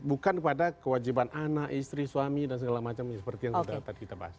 bukan pada kewajiban anak istri suami dan segala macam seperti yang sudah tadi kita bahas